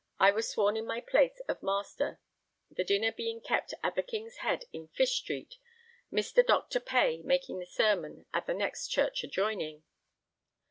I was sworn in my place of Mr. Master, the dinner being kept at the King's Head in Fish Street, Mr. Doctor Pay making the sermon at the next church adjoining.